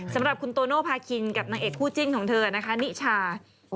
สำหรับคุณโตโนภาคินกับนางเอกคู่จิ้นของเธอนะคะนิชา